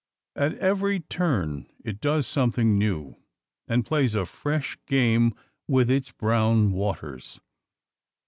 At every turn it does something new, and plays a fresh game with its brown waters.